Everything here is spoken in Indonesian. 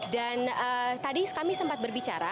dan tadi kami sempat berbicara